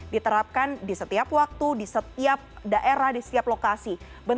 diterapkan di setiap waktu di setiap daerah di setiap lokasi